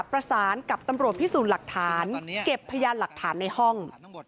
ประสานกับตำรวจพิสูจน์หลักฐานเก็บพยานหลักฐานในห้อง